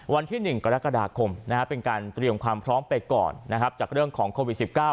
วันที่๑กรกฎาคมเป็นการเตรียมความพร้อมไปก่อนจากเรื่องของโควิด๑๙